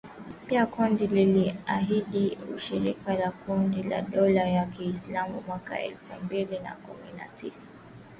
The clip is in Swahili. Pia kundi liliahidi ushirika na kundi la dola ya kiislamu mwaka elfu mbili na kumi na tisa